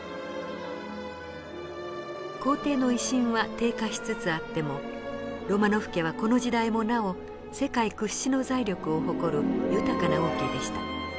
皇帝の威信は低下しつつあってもロマノフ家はこの時代もなお世界屈指の財力を誇る豊かな王家でした。